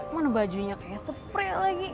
mana bajunya kayak spray lagi